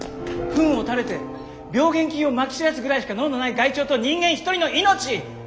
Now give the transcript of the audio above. フンを垂れて病原菌をまき散らすぐらいしか能のない害鳥と人間一人の命